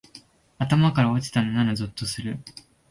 頭から落ちたのならゾッとする